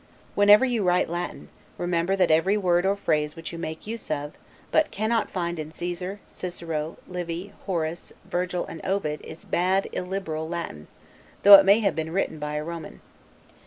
Whenever you write Latin, remember that every word or phrase which you make use of, but cannot find in Caesar, Cicero, Livy, Horace, Virgil; and Ovid, is bad, illiberal Latin, though it may have been written by a Roman.